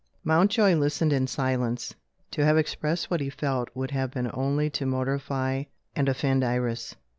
Mountjoy listened in silence. To have expressed what he felt would have been only to mortify and offend Iris.